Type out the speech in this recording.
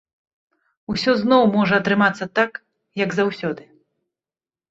Усё зноў можа атрымацца так, як заўсёды.